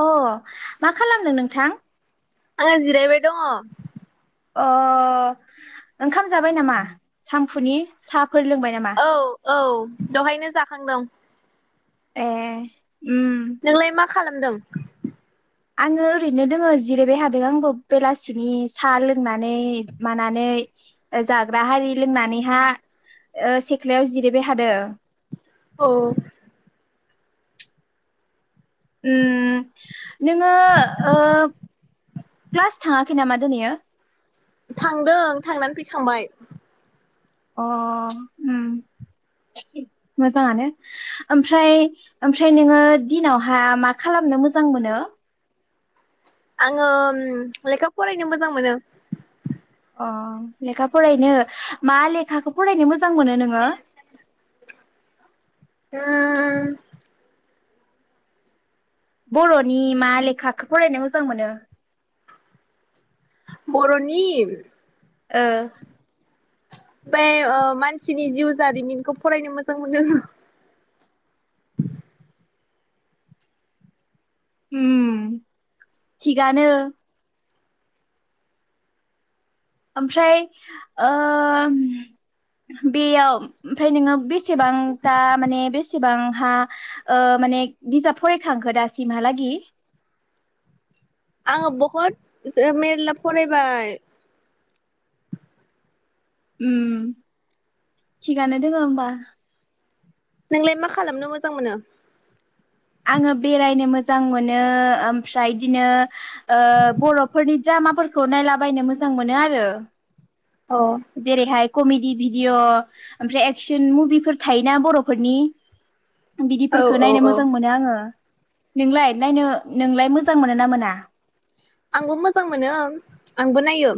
अ मा खालामदों नोंथां आङो जिरायबाय दङ अ ओंखाम जाबाय नामा सानफुनि सा औ औ दहायनो जाखांदों ए उम नोंलाय मा खालामदों आङो ओरैनो दोङो जिरायबाय हादों आंबो बेलासिनि साहा लोंनानै मानानै जाग्रा हारि लोंनानैहा ओ सेथ्लायाव जिरायबाय हादों औ उम नोङो ओ क्लास थाङाखै नामा दोनैयो थांदों थांनानै फैखांबाय अ उम मोजाङानो ओमफ्राय ओमफ्राय नोङो दिनावहा मा खालामनो मोजां मोनो आङो लेखा फरायनो मोजां मोनो अ लेखा फरायनो मा लेखाखौ फरायनो मोजां मोजां मोनो नोङो उम बर'नि मा लेखाखौ फरायनो मोजां मोनो? बर'नि ओ ओमफाय मानसिनि जिउ जारिमिनखौ फरायनो मोजां मोनो। उम थिगानो। ओमफ्राय ओ बेयाव ओमफ्राय नोङो बेसेबांथा माने बेसेबांहा ओ माने बिजाब फरायखांखो दासिमहालागि? आङो बहुद मेर्ला फरायबाय। उम थिगानो दोङो होमबा। नोंलाय मा खालामनो मोजां मोनो? आङो बेरायनो मोजां मोनो ओमफ्राय इदिनो ओ बर'फोरनि दामाफोरखौ नायला बायनो मोजां मोनो आरो। अ जेरै हाय कमि बिदि भिडिअ ओमफ्राय एक्सन मुभिफोर थायोना बर'फोरनि औ बिदिफोरखो औ नायनो औ मोजां मोनो आङो। नोंलाय नायनो नोंलाय मोजां मोनोना मोना? आंबो मोजां मोनो आंबो नायो।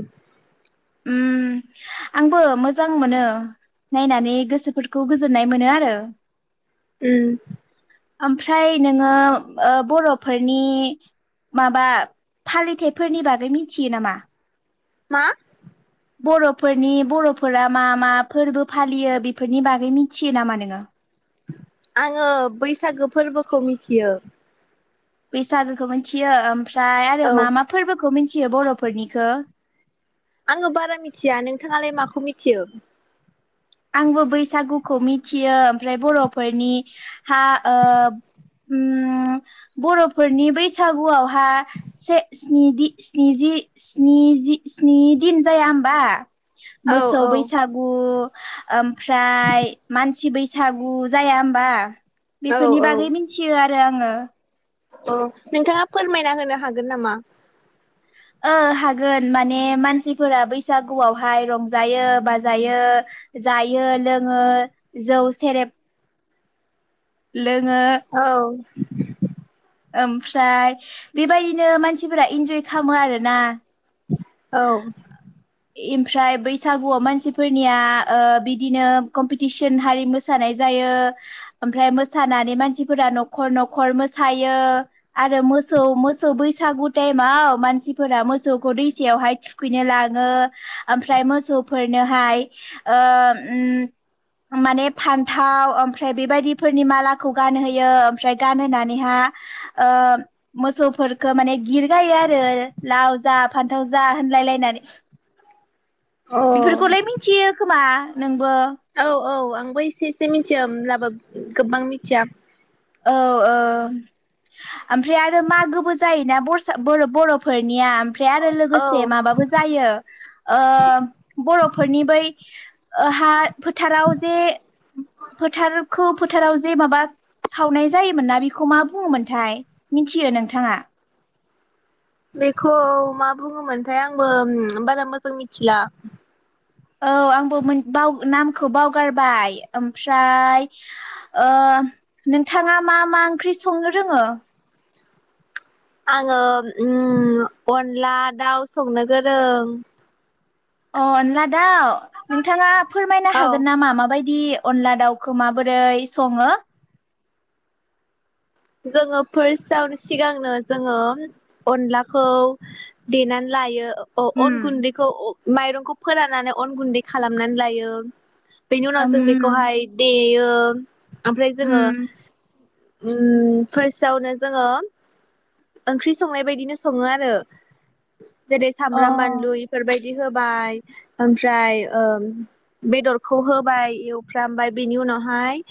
उम आंबो मोजां मोनो नायनानै गोसोफोरखौ गोजोननाय मोनो आरो। उम ओमफ्राय नोङो ओ बर'फोरनि माबा फालिथायाइफोरनि बागै मिथियो नामा? मा? बर'फोरनि बर'फोरा मा मा फोरबो फालियो बेफोरनि बागै मिथियो नामा नोङो? आङो बैसागो फोरबोखौ मिथियो। बैसागोखौ मिथियो ओमफ्राय आरो औ मा मा फोरबो खौ मिथियो बर'फोरनिखौ? आङो बारा मिथिया नोंथाङालाय माखौ मिथियो? आंबो बैसागुखौ मिथियो। ओमफ्राय बर'फोरनि हा ओ ओम बर'फोरनि बैसागुआवहा से स्नि दि स्नि जि स्नि जि स्नि दिन जाया होमबा औ मोसौ औ बैसागु ओमफ्राय मान मानसि बैसागु जाया होमबा औ बेफोरनि बागै मिथियो आरो जे आङो अ नोंथाङा फोरमायना होनो हागोन नामा ओ हागोन माने मानसिफोरा बैसागुआवहाय रंजायो बाजायो जायो लोङो जौ सेरेब लोङो [unintelligible] ओमफ्राय बेबायदिनो मानसिफोरा इन्जय खालामो आरो ना औ इमफ्राय बैसागुआव मानसिफोरनिया ओ बिदिनो कम्पिटिसन हारि मोसानाय जायो ओमफ्राय मोसानानै मानसिफोरा न'खर न'खर मोस थायो आरो मोसौ मोसौ बैसा सागु टाइमाव मानसिफोरा मोसौखौ दैसायावहाय थुखैनो लाग ङो ओमफ्राय मोसौफोरनो हाय ओ उम माने फानथाव ओमफ्राय बेबायदि फोरनि मालाखौ गानहोयो ओमफ्राय गानहोनानैहा ओ मोसौफोरखौ माने गिर गायो आरो लाव जा फान्थाव जा होनलाय लायनानै अ बेफोरखौलाय मिथियो खोमा? नोंबो औ औ आंबो एसे एसे मिथियो होमब्लाबो गोबां मिथिया औ ओं ओमफ्राय आरो मागोबो जायोना बरसा बोरो बर'फोरनिया ओमफ्राय आरो औ लोगोसे माबाबो जायो ओ बर'फोरनि बै हा फोथाराव जे फोथारखौ फोथाराव जे माबा सावनाय जायोमोन ना बेखौ मा बुङोमोनथाय मिथियो नोंथाङा? बेखौ मा बुङोमोनथाय आंबो उम बारा मोजां मिथिला। औ आंबो मोन बाव नामखौ बावगारबाय ओमफ्राय ओ नोंथाङा मा मा ओंख्रि संनो रोङो? आङो उम अनला दाउ संनो गोरों। अ अनला दाउ? नोंथाङा फोरमायनो औ हागोन ना मा मा बायदि अनला दाउखौ माबोरै सङो? जोङो फार्स्टआवनो सिगांनो जोङो अनलाखौ देनानै लायो अ अन उम गुन्दैखौ माइरंखौ फोराननानै अन गुन्दै खालामनानै लायो। बेनि उनाव ओम जों बेखौहाय देयो ओ ओमफ्राय जोङो उम उ फार्स्टआवनो जोङो ओंख्रि संनाय बायदिनो सङो आरो। जेरै अ सामब्राम मानलु उम इफोरबाय बिदि होबाय ओमफ्राय ओ बेदरखौ होबाय एवफ्रामबाय बेनि उनावहाय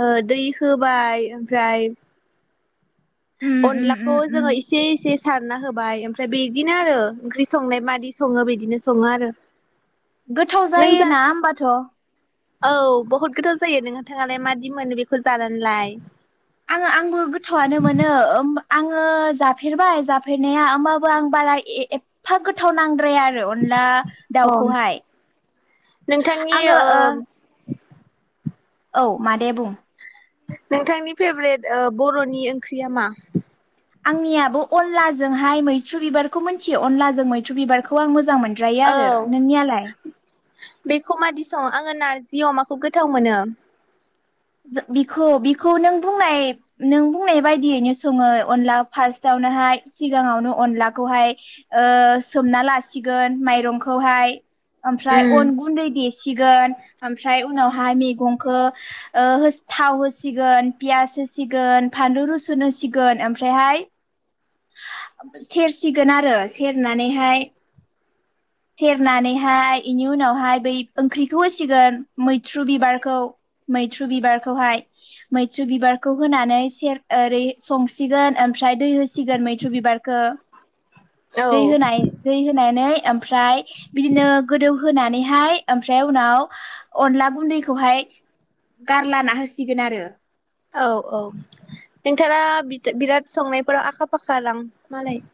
ओ दै होबाय ओमफ्राय उम अनलाखौ उम उम जोङो एसे एसे सारना होबाय ओमफ्राय बिदिनो आरो ओंख्रि संनाय मायदि सङो बिदिनो सङो आरो। गोथाव नों जा जायोना होमबाथ'। औ बहुद गोथाव जायो नोंथाङालाय माददि मोनो बेखौ जानानैलाय? आङो आंबो गोथौआनो मोनो ओमबा आङो जाफेरबाय जाफेरनाया होमबाबो आं बारा एफा गोथाव नांदों आरो अनला अ दाउखौहाय। आङो ओ औ मादै बुं। नोंथांनि फेभरेट ओ बर'नि ओंख्रिया मा? आंनियाबो अनलाजोंहाय मैथ्रु बिबारखौ मिथियो? अनलाजों मैथ्रु बिबारखौ आं मोजां मोनद्रायो औ आरो नोंनियालाय बेखौ मादि सङो? आङो नारजि अमाखौ गोथाव मोनो। बिखौ बिखौ नों बुंनाय नों बुंनाय बायदियैनो सङो अनला फार्स्टावनोहाय सिगाङावनो अनलाखौहाय ओ सोमना लासिगोन माइरंखौहाय। ओमफ्राय उम अन गुन्दै देसिगोन ओमफ्राय उनावहाय मैगं खौ ओ हो थाव होसिगोन पियास होसिगोन फानलु रुसुन होसिगोन ओमफ्रायहाय सेरसिगोन आरो सेरनानैहाय सेरनानैहाय इनि उनावहाय बै ओंख्रिखौ होसिगोन मैथ्रु बिबारखौ मैथ्रु बिबारखौहाय। मैथ्रु बिबारखौ होनानै सेर ओरै संसिगोन ओमफ्राय दै होसिगोन मैथ्रु बिबारखौ। औ दै होनाय दै होनानै ओमफ्राय बिदिनो गोदौ होनानै हाय ओमफ्राय उनाव अनला गुन्दैखौहाय गारलाना होसिगोन आरो। औ औ नोंथाङा बिराद संनायफोराव आखा फाखा दां मालाय?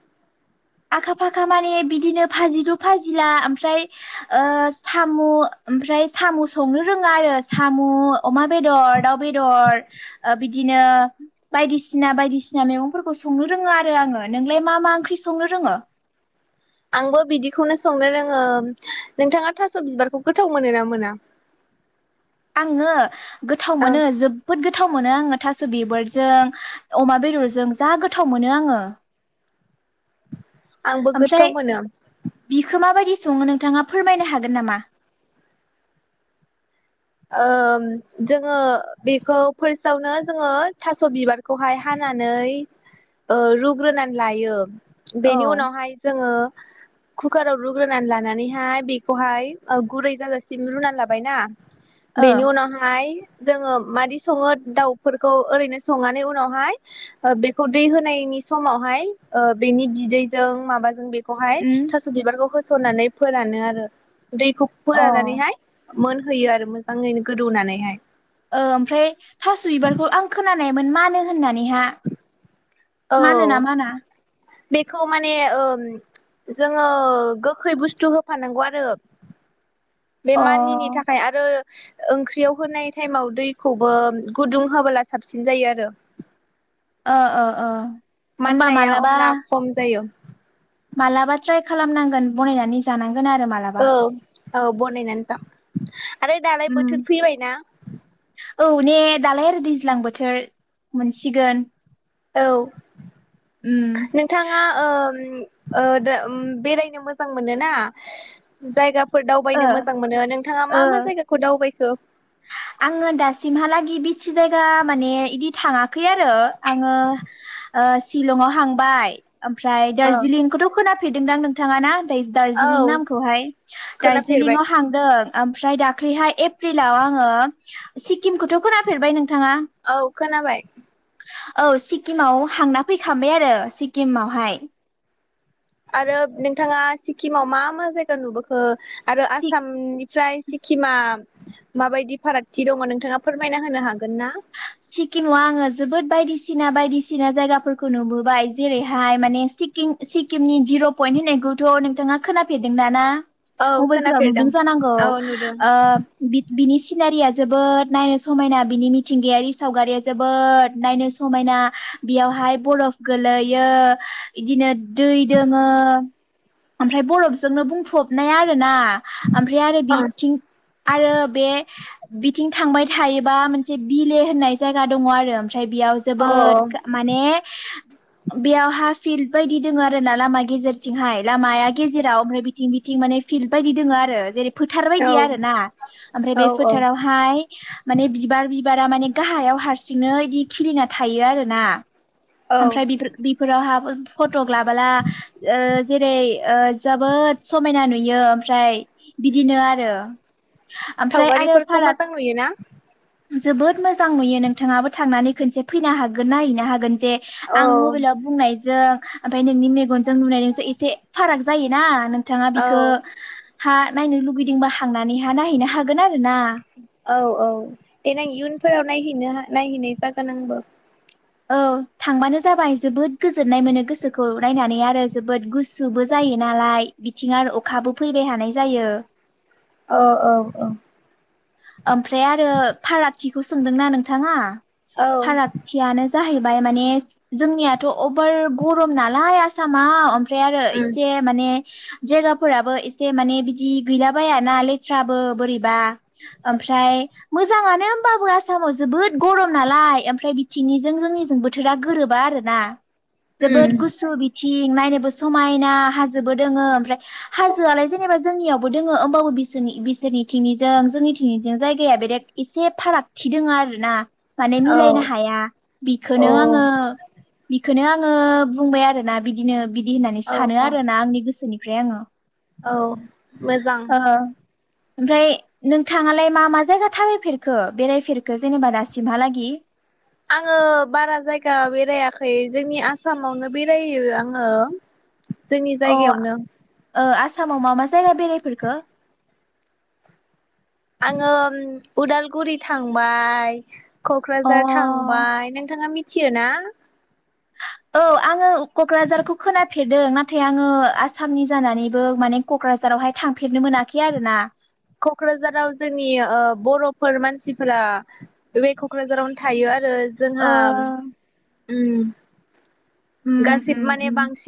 आखा फाखा माने बिदिनो फाजिदु फाजिला ओमफ्राय ओ साम' ओमफ्राय सामु संनो रोङा आरो सामु अमा बेदर, दाउ बेदर, ओ बिदिनो बायदिसिना बायदिसिना मैगंफोरखौ संनो रोङो आरो आङो नोंलाय मा मा ओंख्रि संनो रोङो? आंबो बिदिखौनो संनो रोङो। नोंथाङा थास' बिबारखौ गोथाव मोनो ना मोना? आङो गोथाव औ मोनो जोबोद गोथाव मोनो आङो थास' बिबारजों अमा बेदरजों जा गोथाव मोनो आङो। आंबो गोथाव ओमफ्राय मोनो बिखौ माबायदि सङो नोंथाङा फोरमायनो हागोन नामा? ओम जोङो बेखौ फार्स्टआवनो जोङो थास' बिबारखौहाय हानानै ओ रुग्रोनानै लायो। औ ओ बेनि उनावहाय जोङो कुकाराव रुग्रोनानै लानानैहाय बेखौहाय गुरै जाजासिम रुनानै लाबाय ना। बेनि उनावहाय जोङो मादि सङो दाउफोरखौ ओरैनो संनानै उनावहाय बेखौ दै होनायनि समावहाय ओ बेनि बिदैजों माबाजों बे खौहाय उम थास' बिबारखौ होस'ननानै फोरानो आरो। दैखौ अ फोरान्नानैहाय मोनहोयो आरो मो बाङैनो गोदौनानैहाय ओ ओमफ्राय थास' बिबारखौ आं खोनानाय मोन मानो होननानैहा औ मानोना माना? बेखौ माने ओ जोङो गोखै बुस्थु होफानांगौ आरो बे अ ओ मानिनि थाखाय आरो ओंख्रियाव होनाय टाइमाव दैखौबो गुदुं होबोला साबसिन जायो आरो अह अह अह। माननाया अब्ला खम जायो मालाबा ट्राइ खालामनांगोन बनायनानै जानां औ औ बनायनानै जा आरो दालाय उम बोथोर फैबायना । औ ने दालाय आरो दैज्लां बोथोर मोनसिगोन औ उम नोंथाङा ओम ओ दो बेरायनो मोजां मोनोना जायगा फोर ओ दावबायनो मोजां मोनो नोंथाङा मा ओ मा जायगाखौ दावबाय [unintelligible] आङो दासिमहालागि बि सि जायगा माने इदि थाङाखै आरो आङो शिलंआव हांबाय ओमफ्राय ओ दार्जिलिंखौथ' खोनाफेरदोंदां नोंथाङा ना औ दार्जिलिं नामखौहाय खोनाफेरबाय दार्जिलिंआव हांदों ओमफ्राय दाख्लैहाय एप्रिल लाव आङो सिकिम खौथ' खोनाफेरबाय नोंथाङा? औ खोनाबाय औ सिक्किमाव हांना फैखाबाय आरो सिक्किमावहाय । आरो नोंथाङा सिक्किमाव मा मा जायगा नुबोखो? आरो सि आसामनि ओमफ्राय सिक्किमा माबायदि फारागथि दङ' नोंथाङा फोरमायना होनो हागोन ना? सिक्किमाव आङो जोबोद बायदिसिना बायदिसिना जायगाफोरखौ नुबोबाय जेरैहाय माने सिकिम सिक्किमनि जिर' पइन्ट होननायखौथ' नोंथाङा खोनाफेरदों दा ना? औ मबाइल फोराव नुदों खोनाफेरदों जानांगौ औ नुदों ओ बि बिनि सिनारिया जोबोद नायनो समायना बिनि मिथि मिथिंगायारि सावगारिया जोबोद नायनो समायना बेयावहाय बरफ गोलैयो इदिनो दै दोङो ओमफ्राय बरफजोंनो बुंफबनाय आरो ना ओमफ्राय आरो अ बिथिं आरो बे बिथिं थांबाय थायोबा मोन से बिले होननाय जायगा दङ' आरो ओमफ्राय बेयाव औ जोबोद माने बेयावहा फिल्ड बायदि दङ' आरो ना लामा गेजेरथिंहाय लामाया गेजेराव ओमफ्राय बिथिं बिथिं माने फिल्ड बायदि दोङो जेरै फोथार औ बायदि आरोना ओमफ्राय औ बे औ फोथारावहाय माने बिबार बिबारा माने गाहायाव हारसिंनो इदि खिलिना थायो आरोना। औ ओमफ्राय बिफोर बेफोरावहा फट' लाबोला ओ जेरै ओ जोबोद समायना नुयो। यो ओमफ्राय बिदिनो आरो ओमफ्राय आरो सावगारिफोरखौ फाराग मोजां नुयोना जोबोद मोजां नुयो नोंथाङाबो थांनानै खनसे फैनो हागोन नायहैनो हागोन। जे औ आं मबाइलाव बुंनायजों। ओमफ्राय नोंनि मेगनजों नुनाय नोंसो एसे फाराग जायोना नों। थाङा औ बिखौ। हा नायनो लुगैदोंबा थांनानैहा नाहैनो हागोन आरोना। औ औ देनां इयुनफोराव नायहैनो हा नायहैनाय जागोन आंबो। औ थांबानो जाबाय जोबोद गोजोननाय मोनो गोसोखौ नायनानै आरो जोबोद गुसुबो जायो नालाय बिथिं आरो अखाबो फैबाय थानाय जायो। औ औ औ। ओमफ्राय आरो फारागथिखौ सोंदोंना नोंथाङा। औ फारागथियानो जाहैबाय माने जोंनियाथ' अभार गरम नालाय आस आसामाव ओमफ्राय आरो उम एसे माने जायगाफोराबो एसे माने इदि गैला बायाना लेथ्राबो बोरैबा। ओमफ्राय मोजाङानो होमबाबो आसामाव जोबोद गरम नालाय ओमफ्राय बिथिंनिजों जोंनिजों बोथोरा गोरोबा आरोना। जोबोद उम गुसु बिथिं। नायनोबो समायना हाजोबो दोङो ओमफ्राय। हाजोआलाय जेनेबा जोंनियाव दङ होमबाबो बिसोरनि बिसोरनि थिङिजों। जोंनिथिङिजों जायगाया बेरेक एसे फारागथि दोङ आरो ना। माने औ मिलायनो हाया औ बिखोनो आङो। बिखोनो आङो बुंबाय आरोना बिदिनो। बिदि होननानै औ सानो औ आरो ना आंनि गोसोनि। फ्राय आङो। औ मोजां। ओ ओमफ्राय। नोंथाङालाय मा मा जायगा थाबायफेरखो बेरायफेरखो जेनेबा दासिमहालागि। आङो बारा जायगा बेरायाखै जोंनि आसामावनो बेरायो आङो। जोंनि अ जायगायावनो ओ आसामाव मा मा जायगा बेरायफेरखो? आङो उदालगुरि थांबाय। क'क्राझार अ थांबाय नोंथाङा। थियो ना? औ आङो क'क्राझारखौ खोनाफेरदों नाथाय आङो आसामनि जानानैबो माने क'क्राझारावहाय थांफ अ क'क्राझाराव जोंनि ओ बर' फोर मानसिफोरा बे क'क्राझारावनो थायो आरो ओ जोंहा उम उम उम गासिबो माने उम बांसिन